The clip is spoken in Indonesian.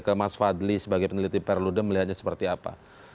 ke mas fadli sebagai peneliti perludem melihatnya seperti apa